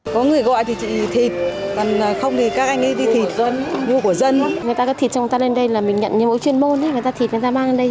có người gọi thì chị thịt còn không thì các anh ấy đi thịt